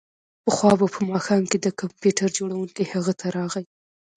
پخوا په ماښام کې د کمپیوټر جوړونکی هغه ته راغی